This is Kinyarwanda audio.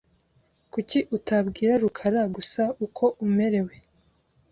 Kuki utabwira rukara gusa uko umerewe?